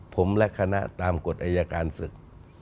ผมและคณะตามกฎอายการศึก